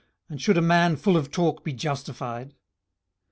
and should a man full of talk be justified?